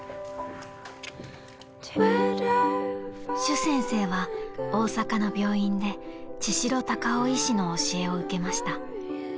［朱先生は大阪の病院で千代孝夫医師の教えを受けました］